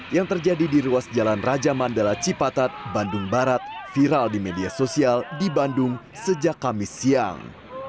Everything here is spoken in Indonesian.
yang terjadi di ruas jalan raja mandala cipatat bandung barat viral di media sosial di bandung sejak kamis siang